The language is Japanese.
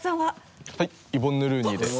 イヴォンヌ・ルーニーです。